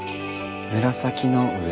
紫の上？